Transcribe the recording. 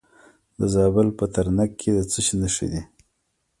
د زابل په ترنک کې د څه شي نښې دي؟